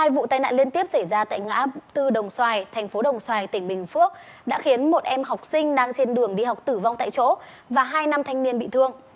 hai vụ tai nạn liên tiếp xảy ra tại ngã tư đồng xoài thành phố đồng xoài tỉnh bình phước đã khiến một em học sinh đang trên đường đi học tử vong tại chỗ và hai nam thanh niên bị thương